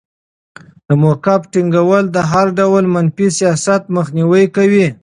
د موقف ټینګول د هر ډول منفي سیاست مخنیوی کوي.